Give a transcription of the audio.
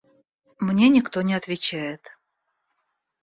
Мне никто не отвечает.